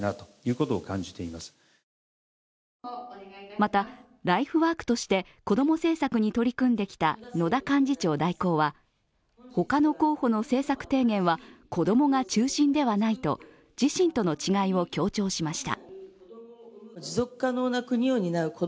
また、ライフワークとして子供政策に取り組んできた野田幹事長代行は他の候補の政策提言は子供が中心ではないと自身との違いを強調しました。